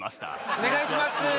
お願いします